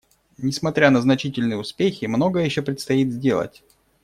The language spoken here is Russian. Несмотря на значительные успехи, многое еще предстоит сделать.